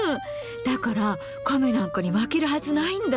だからカメなんかに負けるはずないんだ。